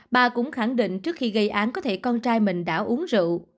bà cũng khẳng định trước khi gây án có thể con trai mình đã uống rượu